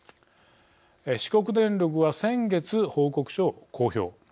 四国電力は先月、報告書を公表。